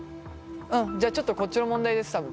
じゃあちょっとこっちの問題です多分。